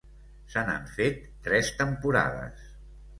Se n'han fet tres temporades.